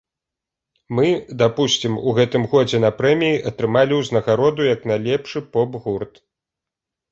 Мы, дапусцім, у гэтым годзе на прэміі атрымалі ўзнагароду як найлепшы поп-гурт.